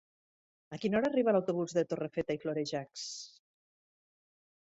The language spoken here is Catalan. A quina hora arriba l'autobús de Torrefeta i Florejacs?